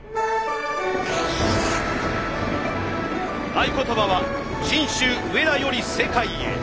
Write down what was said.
合言葉は「信州上田より世界へ」。